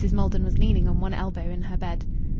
Maldon was leaning on one elbow in her bed.